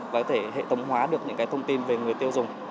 và có thể hệ thống hóa được những thông tin về người tiêu dùng